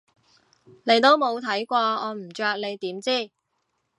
你都冇睇過我唔着你點知？